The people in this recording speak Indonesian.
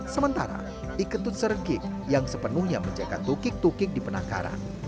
sementara iketut serging yang sepenuhnya menjaga tukik tukik di penangkaran